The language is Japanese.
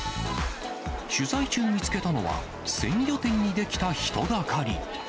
取材中、見つけたのは、鮮魚店に出来た人だかり。